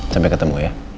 sampai ketemu ya